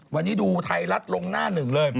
วันนี้ดูไทยรัฐลงหน้าหนึ่งเลย